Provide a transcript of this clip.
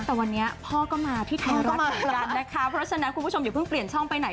แต่วันนี้พ่อก็มาพี่ไทยก็เหมือนกันนะคะเพราะฉะนั้นคุณผู้ชมอย่าเพิ่งเปลี่ยนช่องไปไหน